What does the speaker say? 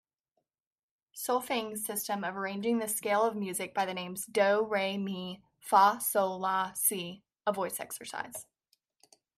Solfaing system of arranging the scale of music by the names do, re, mi, fa, sol, la, si a voice exercise.